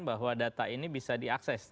bahwa data ini bisa diakses